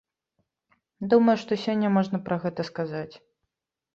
Думаю, што сёння можна пра гэта сказаць.